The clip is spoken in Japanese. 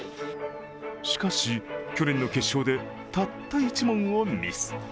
しかし去年の決勝で、たった１問をミス。